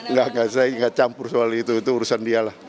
nggak campur soal itu itu urusan dia